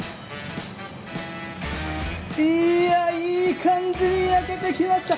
いやあ、いい感じに焼けてきました。